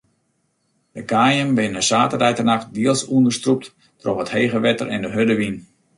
De kaaien binne saterdeitenacht diels ûnderstrûpt troch it hege wetter en de hurde wyn.